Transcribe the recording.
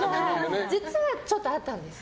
実はちょっとあったんです。